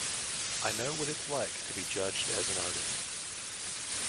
I know what it's like to be judged as an artist.